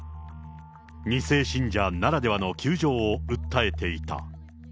２世信者ならではの窮状を訴えていた。